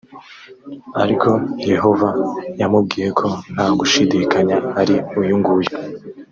ariko yehova yamubwiye ko nta gushidikanya ari uyu nguyu